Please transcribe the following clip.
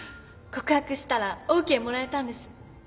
告白したらオーケーもらえたんです。